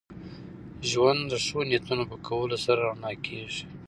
ژوند د ښو نیتونو په کولو سره رڼا کېږي.